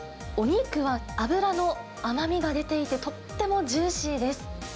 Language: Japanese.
お肉は脂の甘みが出ていて、とってもジューシーです。